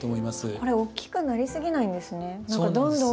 これ大きくなりすぎないんですね。